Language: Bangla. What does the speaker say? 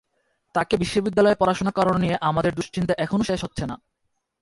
তাকে বিশ্ববিদ্যালয়ে পড়াশোনা করানো নিয়ে আমাদের দুশ্চিন্তা এখনো শেষ হচ্ছে না।